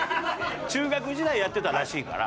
中学時代やってたらしいから。